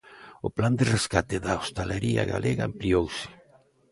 O plan de rescate da hostalería galega ampliouse.